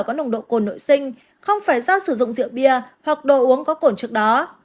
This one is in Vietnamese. có nồng độ cồn nội sinh không phải do sử dụng rượu bia hoặc đồ uống có cồn trước đó